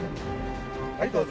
はいどうぞ。